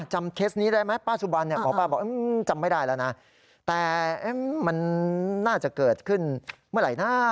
หมอปลาถูก